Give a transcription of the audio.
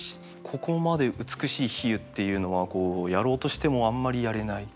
ここまで美しい比喩っていうのはやろうとしてもあんまりやれない。